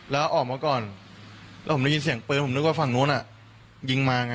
แล้วออกมาก่อนแล้วผมได้ยินเสียงปืนผมนึกว่าฝั่งนู้นยิงมาไง